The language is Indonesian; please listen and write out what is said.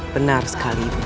benar sekali ibu anda